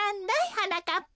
はなかっぱ。